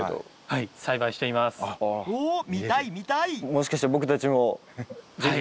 もしかして僕たちも是非。